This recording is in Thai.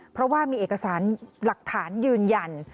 เพราะว่ามีเอกสารหลักฐานยืนยัน